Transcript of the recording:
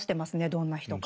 どんな人か。